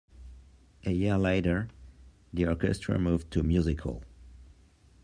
A year later, the orchestra moved to Music Hall.